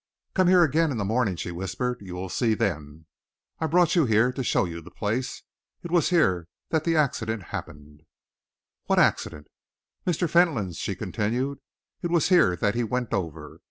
"Come here again in the morning," she whispered. "You will see then. I brought you here to show you the place. It was here that the accident happened." "What accident?" "Mr. Fentolin's," she continued. "It was here that he went over.